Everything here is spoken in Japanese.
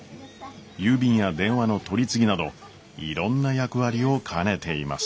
郵便や電話の取り次ぎなどいろんな役割を兼ねています。